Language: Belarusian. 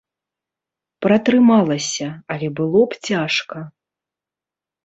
Пратрымалася, але было б цяжка.